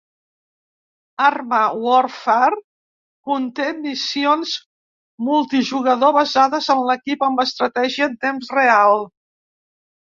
"ArmA Warfare" conté missions multijugador basades en l'equip, amb estratègia en temps real.